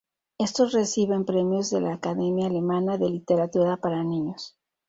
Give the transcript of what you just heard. Estos recibieron premios de la Academia Alemana de Literatura para Niños.